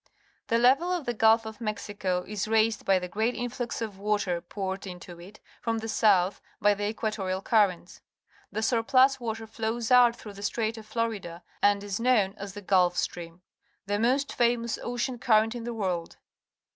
The level of the Gulf of Mexico is raised by the great influx o_f water poured into it from the south by the equatorial currents. The surplus water flows out through the Strait of Florida and is known a.s the Gulf Stream, — the most famous ocean current in the world.